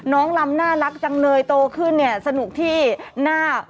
น้องลำน่ารักจังเนยโตขึ้นสนุกที่น่า